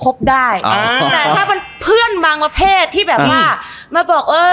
ได้อ่าแต่ถ้าเป็นเพื่อนบางประเภทที่แบบว่ามาบอกเออ